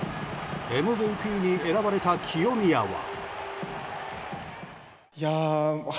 ＭＶＰに選ばれた清宮は。